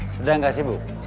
sedang gak sibuk